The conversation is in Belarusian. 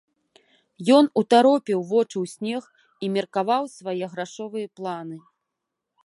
Ён утаропіў вочы ў снег і меркаваў свае грашовыя планы.